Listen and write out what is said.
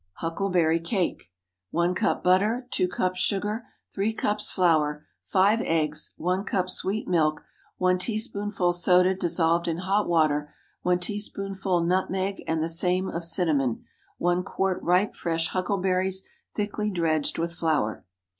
HUCKLEBERRY CAKE. ✠ 1 cup butter. 2 cups sugar. 3 cups flour. 5 eggs. 1 cup sweet milk. 1 teaspoonful soda dissolved in hot water. 1 teaspoonful nutmeg, and the same of cinnamon. 1 qt. ripe, fresh huckleberries, thickly dredged with flour.